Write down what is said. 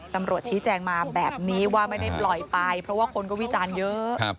ตำรวจชี้แจงมาแบบนี้ว่าไม่ได้ปล่อยไปเพราะว่าคนก็วิจารณ์เยอะ